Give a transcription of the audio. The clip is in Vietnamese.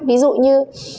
ví dụ như